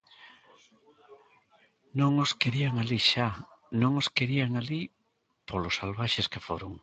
Non os querían alí xa, non os querían alí polo salvaxes que foron.